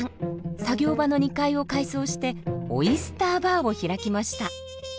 作業場の２階を改装してオイスターバーを開きました。